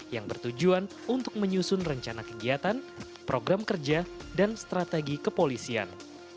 yang bertujuan untuk menyusun rencana kegiatan program kerja dan strategi kepolisian